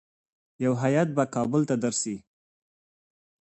یو هیات به کابل ته درسي.